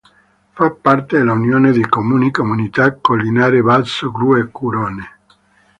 Fa parte dell'Unione di Comuni "Comunità Collinare Basso Grue Curone".